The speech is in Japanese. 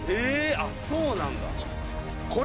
あっそうなんだ。